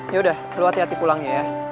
yaudah lo hati hati pulangnya ya